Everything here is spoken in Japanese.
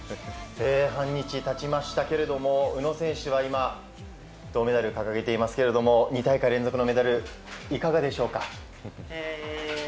半日経ちましたけれども宇野選手は今銅メダル、掲げておりますが２大会連続のメダルいかがでしょうか？